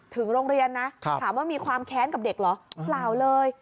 ถึงโรงเรียนนะถามว่ามีความแค้นกับเด็กเหรอเปล่าเลย